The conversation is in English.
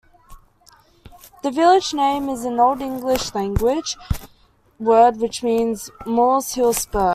The village name is an Old English language word which means 'Mul's hill spur'.